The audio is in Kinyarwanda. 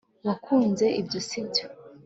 wakunze ibyo, sibyo